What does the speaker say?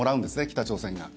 北朝鮮が。